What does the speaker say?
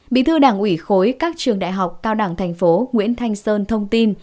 bí thư đảng ủy khối các trường đại học cao đẳng thành phố nguyễn thanh sơn thông tin